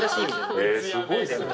へえすごいですね。